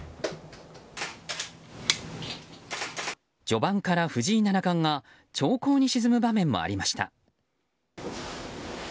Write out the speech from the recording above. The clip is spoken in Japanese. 序盤から藤井七冠が長考に沈む場面もありました。